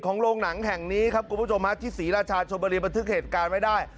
โรงหนังแห่งนี้ครับคุณผู้ชมฮะที่ศรีราชาชมบุรีบันทึกเหตุการณ์ไว้ได้